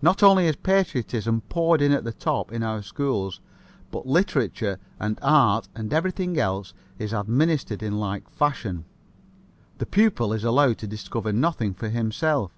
Not only is patriotism poured in at the top in our schools, but literature and art and everything else is administered in like fashion. The pupil is allowed to discover nothing for himself.